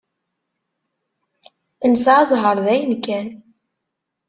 Nesɛa ẓẓher dayen kan.